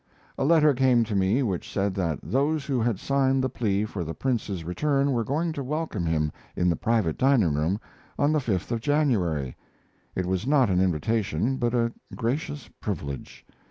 A letter came to me which said that those who had signed the plea for the Prince's return were going to welcome him in the private dining room on the 5th of January. It was not an invitation, but a gracious privilege.